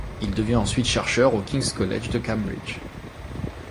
Il devient ensuite chercheur au King's College de Cambridge.